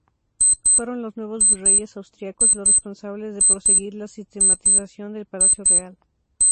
Fueron los nuevos virreyes austríacos los responsables de proseguir la sistematización del Palacio Real.